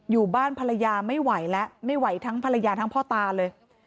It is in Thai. อยู่บ้านภรรยาไม่ไหวแล้วไม่ไหวทั้งภรรยาทั้งพ่อตาเลย